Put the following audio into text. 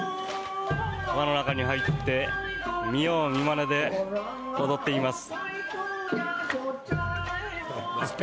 輪の中に入って見よう見まねで踊っています。